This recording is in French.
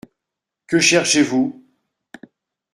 Que cherchez-vous ?